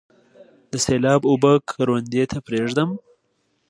د سیلاب اوبه کروندې ته پریږدم؟